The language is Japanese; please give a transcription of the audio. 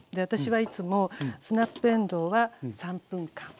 私はいつもスナップえんどうは３分間。